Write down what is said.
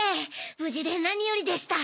無事でなによりでした。